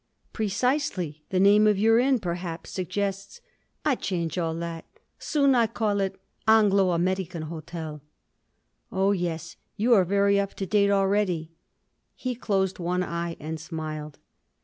"Precisely; the name of your inn, perhaps, suggests——" "I change all that—soon I call it Anglo American hotel." "Ah! yes; you are very up to date already." He closed one eye and smiled.